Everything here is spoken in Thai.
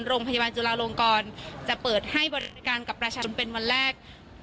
โรงพยาบาลจุลาลงกรจะเปิดให้บริการกับประชาชนเป็นวันแรก